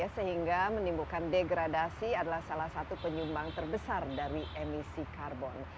sehingga menimbulkan degradasi adalah salah satu penyumbang terbesar dari emisi karbon